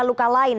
ada luka luka lain